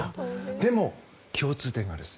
でも共通点があります。